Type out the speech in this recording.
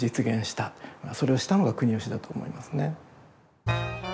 それをしたのが国芳だと思いますね。